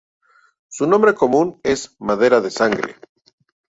Su nombre común es madera de sangre.